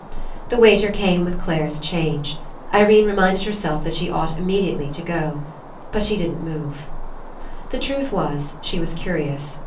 The waiter came with Clare's change. Irene reminded herself that she ought imme diately to go. But she didn't move. The truth was, she was curious.